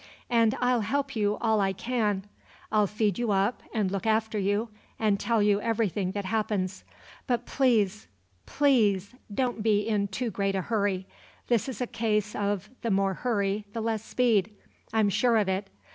And I'll help you all I can; I'll feed you up, and look after you, and tell you everything that happens; but please please don't be in too great a hurry; this is a case of `the more hurry, the less speed'; I'm sure of it.